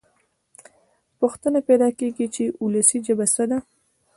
پوښتنه پیدا کېږي چې وولسي ژبه څه ده.